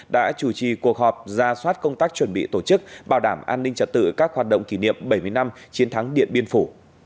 đã chủ trì cuộc họp ra soát công tác chuẩn bị tổ chức bảo đảm an ninh trật tự các hoạt động kỷ niệm bảy mươi năm chiến thắng điện biên phủ